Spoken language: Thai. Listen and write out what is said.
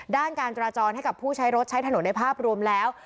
การจราจรให้กับผู้ใช้รถใช้ถนนในภาพรวมแล้ว